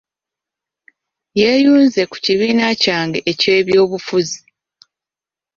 Yeeyunze ku kibiina kyange eky'ebyobufuzi.